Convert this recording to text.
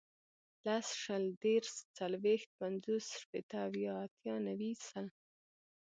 لس, شل, دېرس, څلوېښت, پنځوس, شپېته, اویا, اتیا, نوي, سل